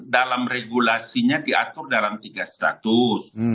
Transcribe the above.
dalam regulasinya diatur dalam tiga status